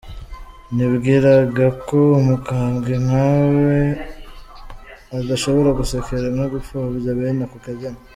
Nibwiraga ko umukambwe nkawe adashobora gusekera no gupfobya bene ako kageni.